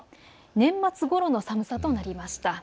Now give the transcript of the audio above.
年末ごろの寒さとなりました。